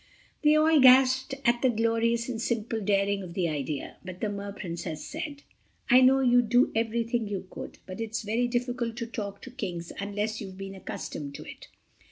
They all gasped at the glorious and simple daring of the idea. But the Mer Princess said: "I know you'd do everything you could—but it's very difficult to talk to kings unless you've been accustomed to it.